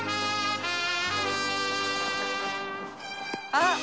あっ。